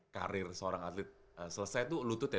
karir seorang atlet selesai tuh lutut ya